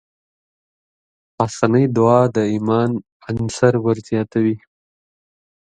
پاسنۍ دعا د ايمان عنصر ورزياتوي.